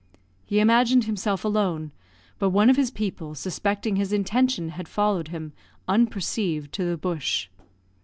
He imagined himself alone; but one of his people, suspecting his intention, had followed him, unperceived, to the bush.